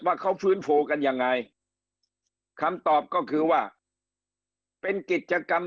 ว่าเขาฟื้นฟูกันยังไงคำตอบก็คือว่าเป็นกิจกรรม